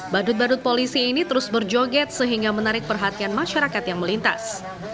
badut badut polisi ini terus berjoget sehingga menarik perhatian masyarakat yang melintas